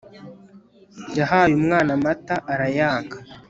yahaye umwana amata arayanga